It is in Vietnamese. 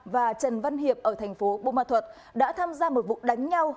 và trần văn hiệp ở thành phố bô ma thuật đã tham gia một vụ đánh nhau